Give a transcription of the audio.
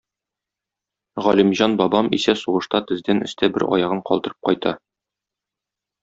Галимҗан бабам исә сугышта тездән өстә бер аягын калдырып кайта.